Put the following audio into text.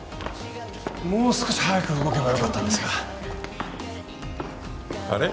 もう少し早く動けばよかったんですがあれ？